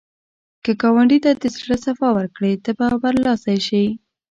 که ګاونډي ته د زړه صفا ورکړې، ته به برلاسی شې